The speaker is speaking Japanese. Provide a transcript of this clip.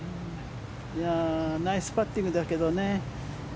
ナイスパッティングだけどね。